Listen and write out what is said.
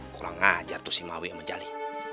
kurang ngajar tuh si maui sama jali